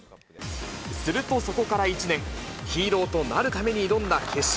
するとそこから１年、ヒーローとなるために挑んだ決勝。